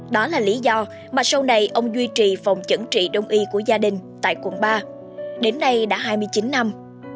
đó là lý do mà sau này ông duy trì phòng chẩn trị đông y của gia đình tại quận ba đến nay đã hai mươi chín năm